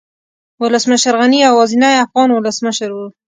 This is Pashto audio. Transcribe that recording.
ولسمشر غني يوازينی افغان ولسمشر و